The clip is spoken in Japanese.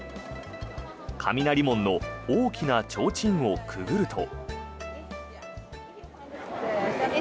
雷門の大きなちょうちんをくぐると。